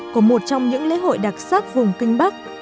của một trong những lễ hội đặc sắc